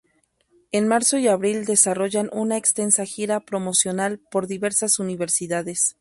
En marzo y abril desarrollan una extensa gira promocional por diversas universidades.